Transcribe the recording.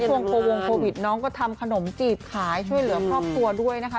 ช่วงโควงโควิดน้องก็ทำขนมจีบขายช่วยเหลือครอบครัวด้วยนะคะ